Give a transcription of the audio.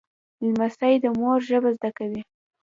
لمسی د مور ژبه زده کوي.